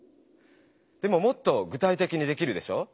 でももっと具体的にできるでしょ？